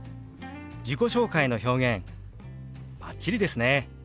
自己紹介の表現バッチリですね！